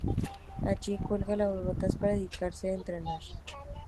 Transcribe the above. Allí cuelga las botas para dedicarse a entrenar.